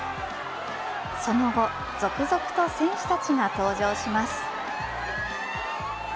その後続々と選手たちが登場します。